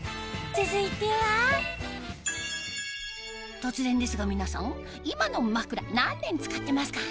続いては突然ですが皆さん今のまくら何年使ってますか？